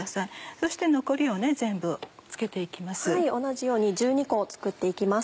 そして残りを全部付けて行きます。